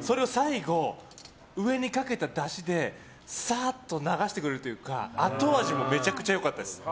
それを最後、上にかけただしでサッと流してくれるというか後味もめちゃくちゃ良かったです。